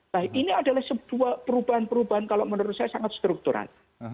nah ini adalah sebuah perubahan perubahan kalau menurut saya sangat struktural